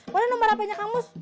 waduh nomor apanya kamus